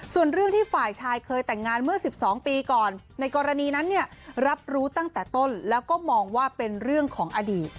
ส่วนเรื่องที่ฝ่ายชายเคยแต่งงานเมื่อ๑๒ปีก่อนในกรณีนั้นเนี่ยรับรู้ตั้งแต่ต้นแล้วก็มองว่าเป็นเรื่องของอดีต